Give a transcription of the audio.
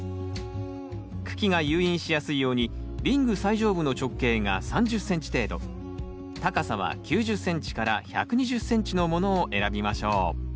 茎が誘引しやすいようにリング最上部の直径が３０ｃｍ程度高さは９０ｃｍから１２０ｃｍのものを選びましょう。